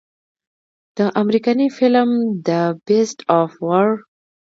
د امريکني فلم The Beast of War